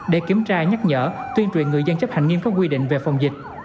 để kiểm tra nhắc nhở tuyên truyền người dân chấp hành nghiêm các quy định về phòng dịch